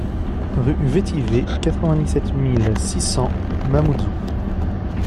RUE VETIVER, quatre-vingt-dix-sept mille six cents Mamoudzou